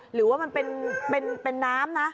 หรือว่ามันเป็นน้ำนะ